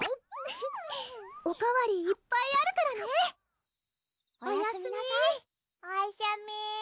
フフッおかわりいっぱいあるからねおやすみおやすみなさいおしゅみ